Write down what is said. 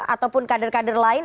ataupun kader kader lain